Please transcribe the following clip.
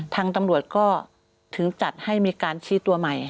ทางตำรวจก็ถึงจัดให้มีการชี้ตัวใหม่